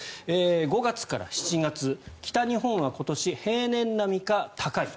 ５月から７月北日本は今年、平年並みか高い。